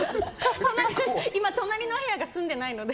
今、隣の部屋が住んでないので。